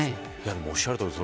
おっしゃるとおりです。